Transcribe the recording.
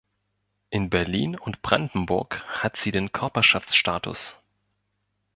In Berlin und Brandenburg hat sie den Körperschaftsstatus.